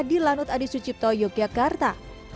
di lanut adi sucipto yogyakarta